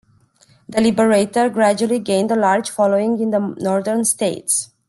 "The Liberator" gradually gained a large following in the northern states.